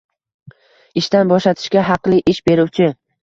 ishdan bo‘shatishga haqli ish beruvchi.